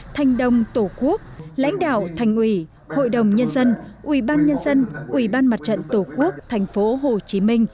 thành đồng tổ quốc lãnh đạo thành ủy hội đồng nhân dân ubnd ubnd tổ quốc tp hcm